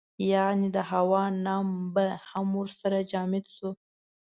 یعنې د هوا نم به هم ورسره جامد شو.